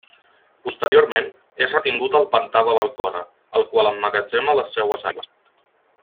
Posteriorment, és retingut al pantà de l'Alcora, el qual emmagatzema les seues aigües.